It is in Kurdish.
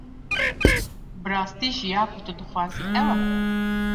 Bi rastî jî ya ku tu dixwazî ew e?